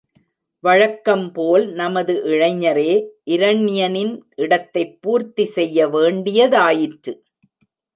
வழக்கம் போல் நமது இளைஞரே இரண்யனின் இடத்தைப் பூர்த்தி செய்ய வேண்டியதாயிற்று.